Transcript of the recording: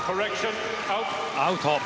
アウト。